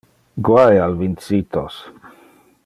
Guai al vincitos.